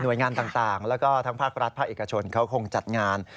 โดยงานต่างแล้วก็ทั้งภาครัฐภาคเอกชนเขาคงจัดงาน